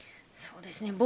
そうですね。